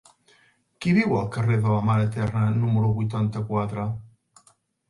Qui viu al carrer de la Mare Eterna número vuitanta-quatre?